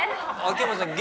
秋山さん